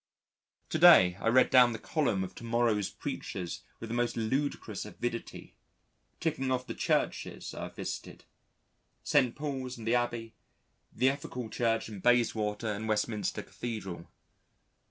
To day I read down the column of to morrow's preachers with the most ludicrous avidity, ticking off the Churches I have visited: St. Paul's and the Abbey, the Ethical Church in Bayswater and Westminster Cathedral.